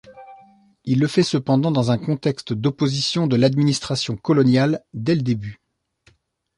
Il le fait cependant dans un contexte d'opposition de l'administration coloniale dès le début.